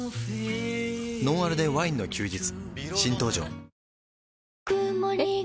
「ノンアルでワインの休日」